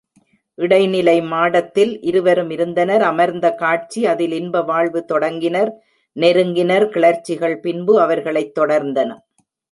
இடைநிலை மாடத்தில் இருவரும் இருந்தனர் அமர்ந்த காட்சி அதில் இன்பவாழ்வு தொடங்கினர் நெருங்கினர் கிளர்ச்சிகள் பின்பு அவர்களைத் தொடர்ந்தன.